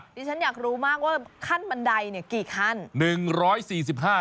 ฉันอยากรู้มากว่าขั้นบันไดเนี่ยกี่ขั้น